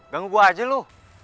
ganggu gue aja lo